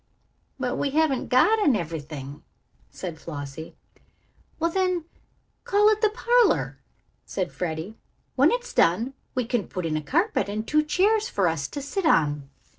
"But we haven't got an ev'rything," said Flossie. "Well, then, call it the parlor," said Freddie. "When it's done we can put in a carpet and two chairs for us to sit on."